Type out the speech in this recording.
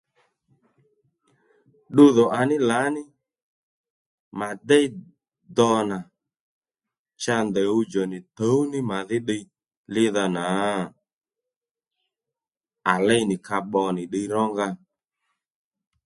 Ddudhò à ní lǎní mà déy do nà cha ndèy ɦuwdjò nì tǔw ní mà dhí ddiy lídha nǎ à ley nì ka bbò nì ddiy rónga